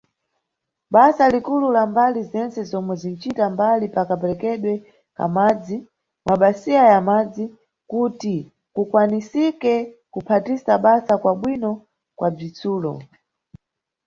Basa likulu la mbali zentse zomwe zinʼcita mbali pa kaperekedwe ka madzi mʼmabasiya ya madzi, kuti kukwanisike kuphatisa basa kwa bwino kwa bzitsulo.